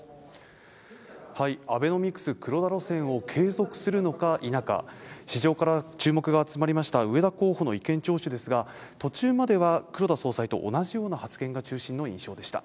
アベノミクス黒田路線を継続するのか否か、市場から注目が集まりました植田候補の意見聴取ですが、途中までは黒田総裁と同じような発言が中心の印象でした。